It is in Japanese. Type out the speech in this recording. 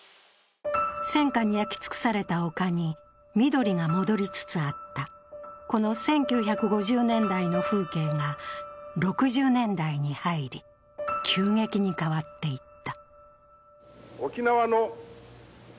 戦火に焼き尽くされた丘に緑が戻りつつあったこの１９５０年代の風景が６０年代に入り、急激に変わっていった。